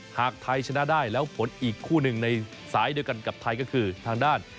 หากไทยชนะได้แล้วผลอีกคู่หนึ่งในสายเดียวกันกับไทยก็คือทางด้าน